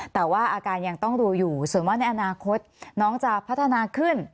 แต่ว่าอาการยังต้องดูอยู่ส่วนว่าในอนาคตน้องจะพัฒนาขึ้น